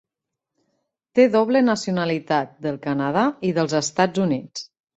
Té doble nacionalitat del Canadà i dels Estats Units.